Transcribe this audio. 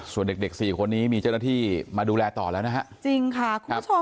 ส่วนเด็ก๔คนนี้มีเจ้าหน้าที่มาดูแลต่อแล้วนะจริงค่ะ